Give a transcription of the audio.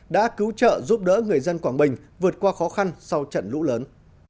đã cứu trợ giúp đỡ người dân quảng bình vượt qua khó khăn sau trận lũ lớn